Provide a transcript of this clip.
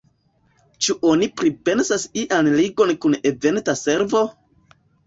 Ĉu oni pripensas ian ligon kun Eventa servo?